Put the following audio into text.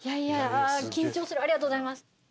緊張するありがとうございます。